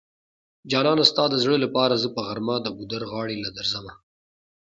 جانانه ستا د زړه لپاره زه په غرمه د ګودر غاړی له درځمه